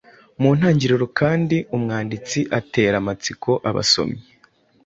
Mu ntangiriro kandi umwanditsi atera amatsiko abasomyi